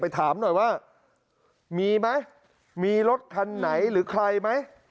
ถามหน่อยว่ามีไหมมีรถคันไหนหรือใครไหม